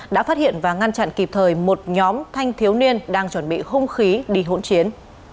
đã phát hiện và ngăn chặn kịp thời một nhóm thanh thiếu niên đang chuẩn bị hung khí đi hỗn chiến